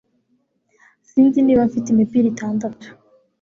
Sinzi niba mfite imipira itandatu